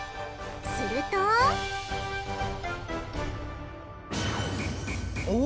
するとお！